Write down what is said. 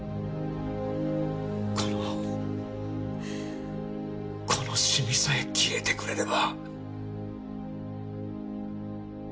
このこの染みさえ消えてくれれば。